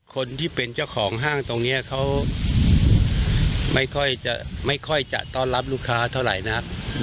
คนที่เป็นเจ้าของห้างตรงนี้เขาไม่ค่อยจะต้อนรับลูกค้าเท่าไหร่นัก